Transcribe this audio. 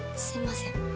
すいません。